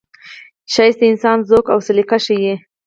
ښکلا د انسان ذوق او سلیقه ښيي.